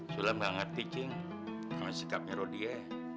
sulit banget ngerti cing sama sikapnya rodia